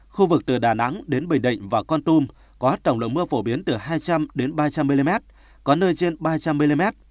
khu vực từ đà nẵng đến bình định và con tum có tổng lượng mưa phổ biến từ hai trăm linh đến ba trăm linh mm có nơi trên ba trăm linh mm